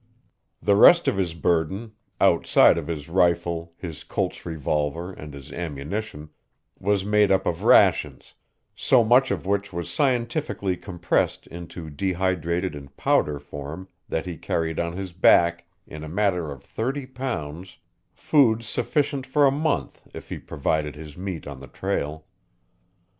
The rest of his burden, outside of his rifle, his Colt's revolver and his ammunition, was made up of rations, so much of which was scientifically compressed into dehydrated and powder form that he carried on his back, in a matter of thirty pounds, food sufficient for a month if he provided his meat on the trail.